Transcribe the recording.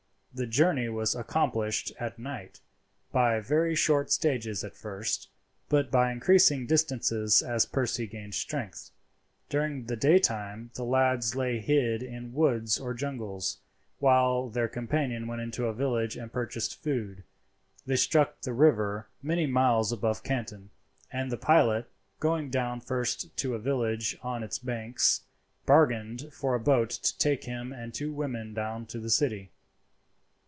The journey was accomplished at night, by very short stages at first, but by increasing distances as Percy gained strength. During the daytime the lads lay hid in woods or jungles, while their companion went into a village and purchased food, they struck the river many miles above Canton, and the pilot, going down first to a village on its banks, bargained for a boat to take him and two women down to the city.